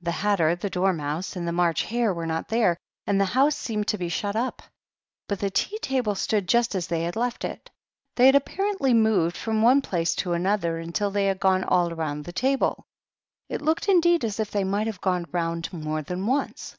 The Hatter, the Dormouse, and the March Hare were not there, and the house seemed to be shut up; but the tea table stood just as they had 5* 63 54 THE TEA TABLE. left it. They had apparently moved from one place to another until they had gone all round the table; it looked, indeed, as if they might have gone round more than once.